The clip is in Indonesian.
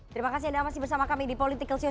terima kasih anda masih bersama kami di political show